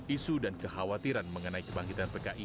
isu dan kekhawatiran mengenai kebangkitan pki